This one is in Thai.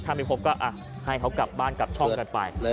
ถ้าไม่พบก็ให้เขากลับบ้านกลับช่องกันไป